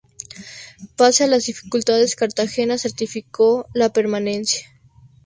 Pese a las dificultades, Cartagena certificó la permanencia.